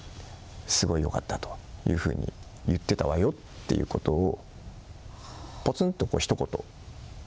すごいよかったというふうに言ってたわよっていうことを。